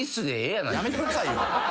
やめてくださいよ。